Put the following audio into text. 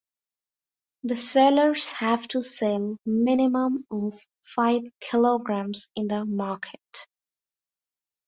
The sellers have to sell minimum of five kilograms in the market.